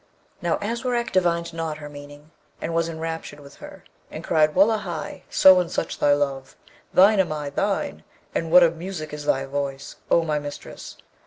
Now, Aswarak divined not her meaning, and was enraptured with her, and cried, 'Wullahy! so and such thy love! Thine am I, thine! And what a music is thy voice, O my mistress!